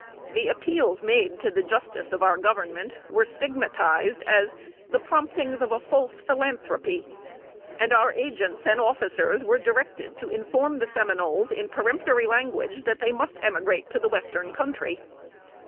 The appeals made to the justice of our Government were stigmatized "as the promptings of a false philanthropy;" and our agents and officers were directed to inform the Seminoles, in peremptory language, that they must emigrate to the western country.